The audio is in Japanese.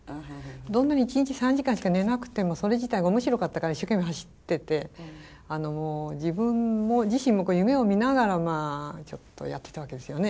どんなに一日３時間しか寝なくてもそれ自体が面白かったから一生懸命走ってて自分自身も夢を見ながらちょっとやってたわけですよね。